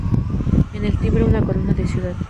En el timbre, una corona de ciudad.